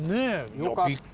よかったぁ。